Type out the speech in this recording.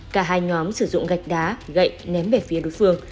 cả hai nhóm sử dụng gạch đá gậy ném về phía đối phương